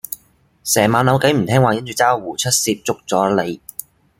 成晚扭計唔聽話因住虓䰧出噄捉咗你